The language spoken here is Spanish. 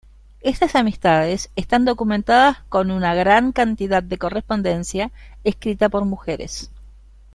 Estas amistades están documentadas con una gran cantidad de correspondencia escrita por mujeres.